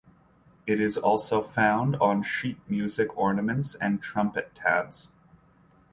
It is also found on sheet music ornaments and trumpet tabs.